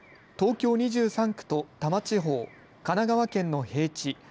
東京２３区と多摩地方神奈川県の平地